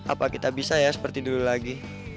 apa kita bisa ya seperti dulu lagi